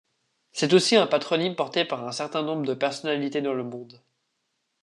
C'est aussi un patronyme porté par un certain nombre de personnalités dans le monde.